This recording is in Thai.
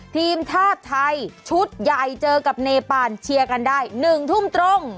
ทีมชาติไทยชุดใหญ่เจอกับเนปานเชียร์กันได้๑ทุ่มตรง